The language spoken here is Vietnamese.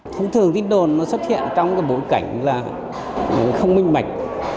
thông thường tin đồn nó xuất hiện trong cái bối cảnh là không minh mạch